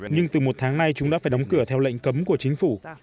nhưng từ một tháng nay chúng đã phải đóng cửa theo lệnh cấm của chính phủ